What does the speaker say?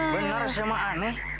bener sama aneh